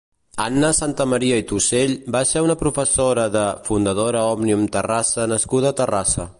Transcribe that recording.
Anna Santamaria i Tusell va ser una professora de, Fundadora Òmnium Terrassa nascuda a Terrassa.